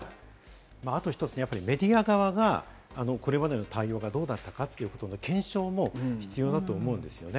あと一つ、メディア側がこれまでの対応がどうだったかということの検証も必要だと思うんですよね。